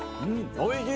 おいしい。